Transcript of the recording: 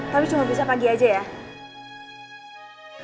tapi cuma bisa pagi aja ya